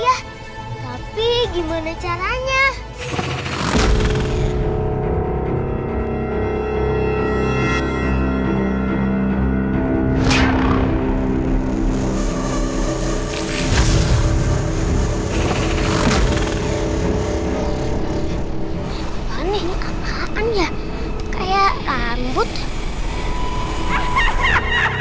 iya tapi kita harus cepet cepet nyelamatin anak anak yang dicurik wewe gombel